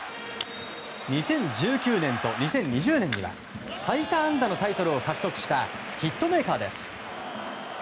２０１９年と２０２０年には最多安打のタイトルを獲得したヒットメーカーです。